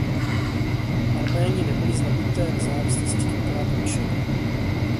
Arméni nebyli z nabyté nezávislosti dvakrát nadšeni.